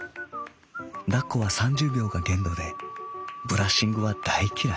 「抱っこは三十秒が限度でブラッシングは大嫌い」。